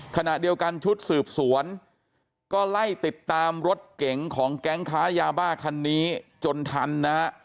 ขณะเดียวกันชุดสืบสวนก็ไล่ติดตามรถเก๋งของแก๊งค้ายาบ้าคันนี้จนทันนะฮะ